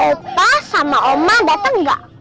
opa sama oma dateng gak